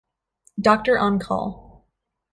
Doctor on Call.